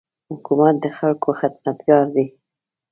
حکومت د خلکو خدمتګار دی.